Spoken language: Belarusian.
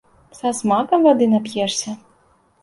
Са смакам вады нап'ешся!